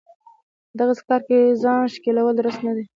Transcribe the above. په دغسې کار کې ځان ښکېلول درست نه دی.